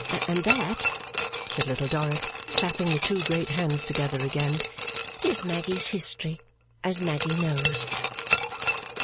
And that,' said Little Dorrit, clapping the two great hands together again, 'is Maggy's history, as Maggy knows!